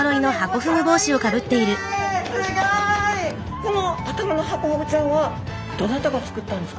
この頭のハコフグちゃんはどなたが作ったんですか？